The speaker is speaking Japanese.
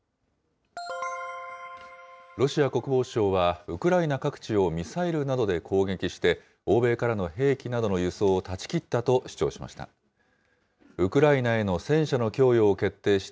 ロシア国防省は、ウクライナ各地をミサイルなどで攻撃して、欧米からの兵器などの輸送を断ち切ったと主張しました。